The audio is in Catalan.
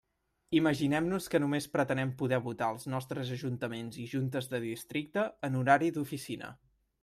Imaginem-nos que només pretenem poder votar als nostres ajuntaments i juntes de districte en horari d'oficina.